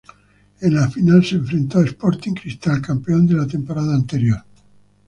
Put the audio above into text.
En la final, se enfrentó a Sporting Cristal, campeón de la temporada anterior.